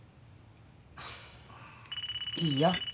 いいよ。